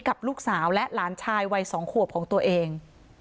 กับลูกสาวและหลานชายวัย๒ขวบของตัวเอง